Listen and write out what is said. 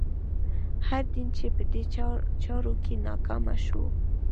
هر دین چې په دې چارو کې ناکامه شو.